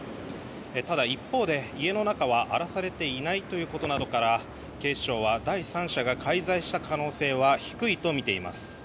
ただ一方で、家の中は荒らされていないということなどから警視庁は第三者が介在した可能性は低いとみています。